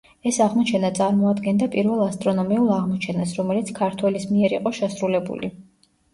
ეს აღმოჩენა წარმოადგენდა პირველ ასტრონომიულ აღმოჩენას, რომელიც ქართველის მიერ იყო შესრულებული.